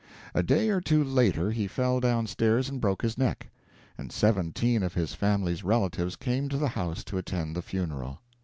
A day or two later he fell down stairs and broke his neck, and seventeen of his family's relatives came to the house to attend the funeral.